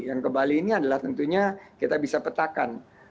yang ke bali ini adalah tentunya kita bisa petakan